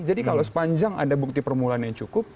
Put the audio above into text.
jadi kalau sepanjang ada bukti permulaan yang cukup